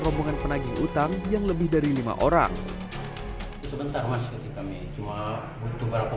robongan penagih utang yang lebih dari lima orang sebentar masih kita meja butuh berapa